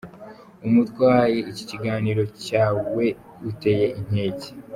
Umutwe wahaye iki kiganiro cyawe uteye inkeke.